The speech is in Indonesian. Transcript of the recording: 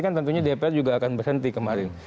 kan tentunya dpr juga akan berhenti kemarin